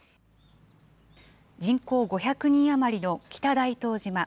人口５００人余りの北大東島。